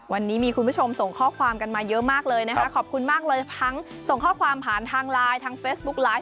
วันนี้มีคุณผู้ชมส่งข้อความกันมาเยอะมากเลยนะคะขอบคุณมากเลยทั้งส่งข้อความผ่านทางไลน์ทางเฟซบุ๊คไลฟ์